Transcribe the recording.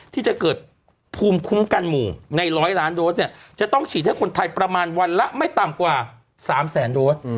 ที่จะเกิดภูมิคุ้มกันหมู่ใน๑๐๐ล้านโดสเนี่ยจะต้องฉีดให้คนไทยประมาณวันละไม่ต่ำกว่า๓แสนโดส